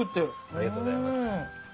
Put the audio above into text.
ありがとうございます。